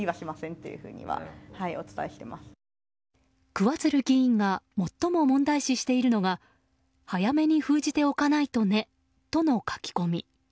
桑水流議員が最も問題視しているのが早めに封じておかないとね！との書き込み。